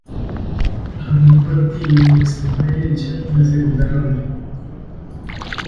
Había un partido de extrema derecha en la segunda ronda.